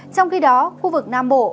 trong khi đó khu vực nam bộ